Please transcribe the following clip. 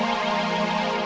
aku sudah selesai